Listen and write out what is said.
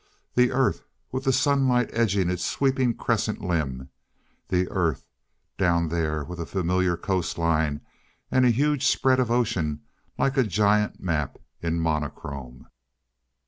The Earth, with the sunlight edging its sweeping crescent limb the Earth, down there with a familiar coastline and a huge spread of ocean like a giant map in monochrome.